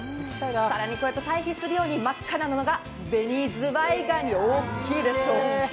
そして、こうやって対比するように真っ赤なのが紅ズワイガニ、大きいでしょう。